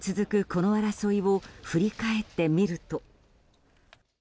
この争いを振り返ってみると。